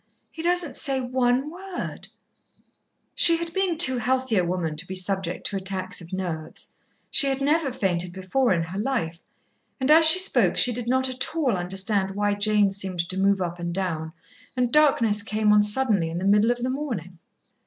He doesn't say one word " She had been too healthy a woman to be subject to attacks of nerves. She had never fainted before in her life, and as she spoke she did not at all understand why Jane seemed to move up and down, and darkness came on suddenly in the middle of the morning.